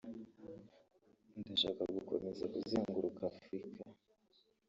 ndashaka gukomeza kuzenguruka Afurika